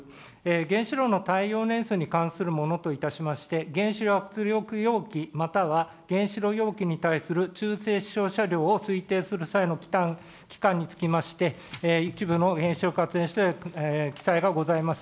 原子炉の耐用年数に関するものといたしまして、原子炉圧力容器、または原子炉容器に対する中性子照射量の期間につきまして、一部の原子力発電所に記載がございます。